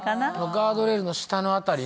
ガードレールの下のあたりね